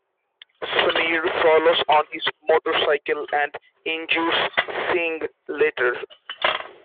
Sameer follows on his motorcycle, and injures Singh later.